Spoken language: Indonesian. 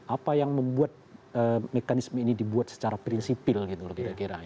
apa yang membuat mekanisme ini dibuat secara prinsipil gitu loh kira kira